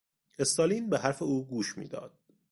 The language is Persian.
استالین به حرف او گوش میداد.